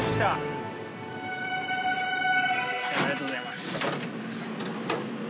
ありがとうございます。